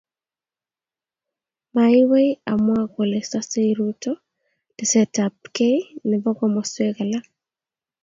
Maiwei amwaa kole sosei Ruto tesetaet ab kei nebo komaswek alak